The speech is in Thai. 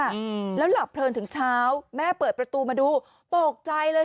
อืมแล้วหลับเพลินถึงเช้าแม่เปิดประตูมาดูตกใจเลย